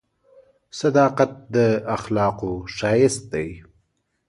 • صداقت د اخلاقو ښایست دی.